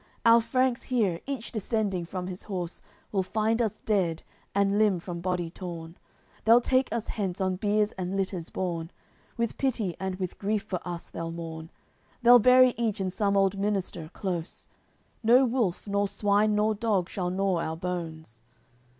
Our Franks here, each descending from his horse, Will find us dead, and limb from body torn; They'll take us hence, on biers and litters borne; With pity and with grief for us they'll mourn; They'll bury each in some old minster close; No wolf nor swine nor dog shall gnaw our bones."